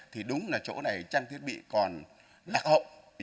thì đúng là chỗ này trang thiết bị còn lạc hậu